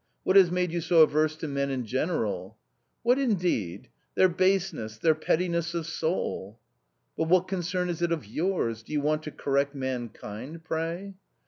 What has made you so averse to men in general ?"" What indeed ! Their baseness, their pettiness of soul." " But what concern is it of yours ? Do you want to correct mankind, pray